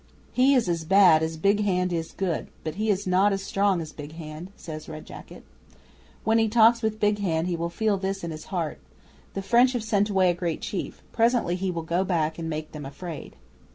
'"He is as bad as Big Hand is good, but he is not as strong as Big Hand," says Red Jacket. "When he talks with Big Hand he will feel this in his heart. The French have sent away a great chief. Presently he will go back and make them afraid."